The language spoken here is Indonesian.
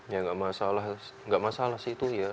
ya nggak masalah sih itu ya